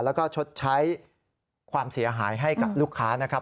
แล้วก็ชดใช้ความเสียหายให้กับลูกค้านะครับ